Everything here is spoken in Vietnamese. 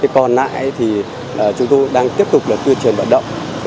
còn nãy thì chúng tôi đang tiếp tục là tuyên truyền bản động